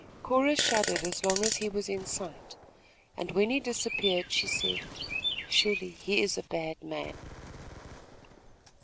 Cora shuddered as long as he was in sight, and when he had disappeared, she said: "Surely, he is a bad man!"